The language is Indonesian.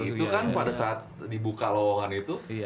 itu kan pada saat dibuka lowongan itu